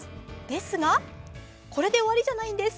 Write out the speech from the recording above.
ですがこれで終わりじゃないんです。